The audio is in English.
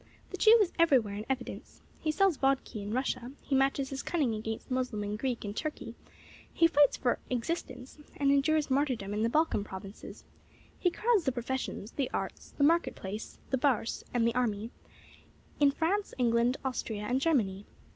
"'The Jew is everywhere in evidence. He sells vodki in Russia; he matches his cunning against Moslem and Greek in Turkey; he fights for existence and endures martyrdom in the Balkan provinces; he crowds the professions, the arts, the market place, the bourse, and the army, in France, England, Austria, and Germany.